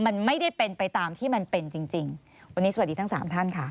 มันไม่ได้เป็นไปตามที่มันเป็นจริงจริงวันนี้สวัสดีทั้งสามท่านค่ะ